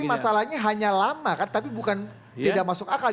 tapi masalahnya hanya lama kan tapi bukan tidak masuk akal